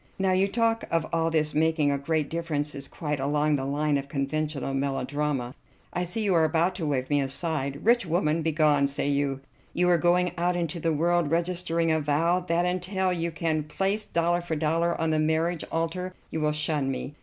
Now, your talk of all this making a great difference is quite along the line of conventional melodrama. I see you are about to wave me aside. 'Rich woman, begone,' say you. You are going out into the world, registering a vow that until you can place dollar for dollar on the marriage altar you will shun me.